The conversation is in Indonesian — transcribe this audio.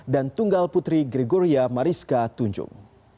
dan tunggal putri gregoria mariska tunjung